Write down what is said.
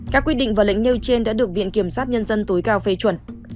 các quyết định và lệnh nêu trên đã được viện kiểm sát nhân dân tối cao phê chuẩn